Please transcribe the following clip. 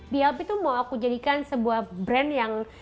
blp itu mau aku jadikan sebuah brand yang